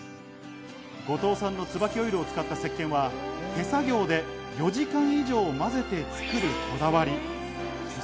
五島産のツバキオイルを使った石鹸は手作業で４時間以上混ぜて作るこだわり。